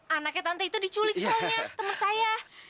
anaknya tante itu diculik soalnya teman saya